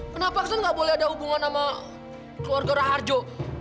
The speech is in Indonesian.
kenapa aksen gak boleh ada hubungan sama keluarga raharjo